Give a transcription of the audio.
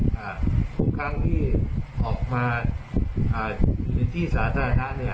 ทุกครั้งที่ออกมาหรือที่สาธารณะ